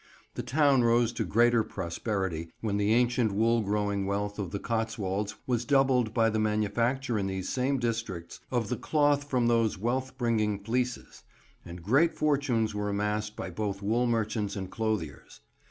The town rose to greater prosperity when the ancient wool growing wealth of the Cotswolds was doubled by the manufacture in these same districts of the cloth from those wealth bringing fleeces; and great fortunes were amassed by both wool merchants and clothiers.